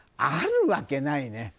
あるわけないね。